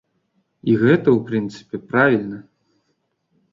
І гэта, у прынцыпе, правільна.